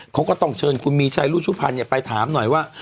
เขาก็ต้องเชิญคุณมีชัยรุชุพันธ์ไปถามหน่อยว่า